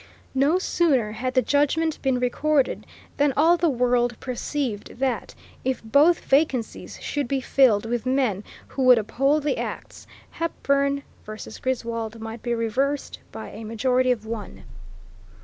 No sooner had the judgment been recorded than all the world perceived that, if both vacancies should be filled with men who would uphold the acts, Hepburn v. Griswold might be reversed by a majority of one.